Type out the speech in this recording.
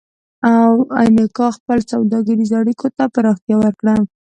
اینکا خپلو سوداګریزو اړیکو ته پراختیا ورکړه.